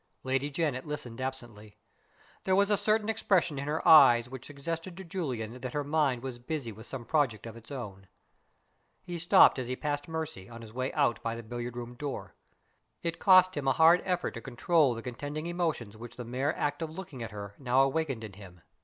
Lady Janet listened absently. There was a certain expression in her eyes which suggested to Julian that her mind was busy with some project of its own. He stopped as he passed Mercy, on his way out by the billiard room door. It cost him a hard effort to control the contending emotions which the mere act of looking at her now awakened in him.